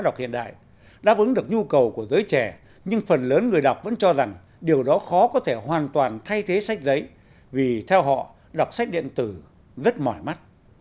đọc hiện đại đáp ứng được nhu cầu của giới trẻ nhưng phần lớn người đọc vẫn cho rằng điều đó khó có thể hoàn toàn thay thế sách giấy vì theo họ đọc sách điện tử rất mỏi mắt